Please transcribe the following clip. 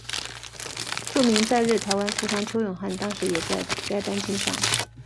著名在日台湾富商邱永汉当时也在该班机上。